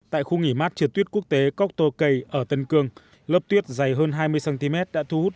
tại khu nghỉ mát trượt tuyết quốc tế cóc tô cây ở tân cương lớp tuyết dày hơn hai mươi cm đã thu hút